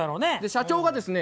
社長がですね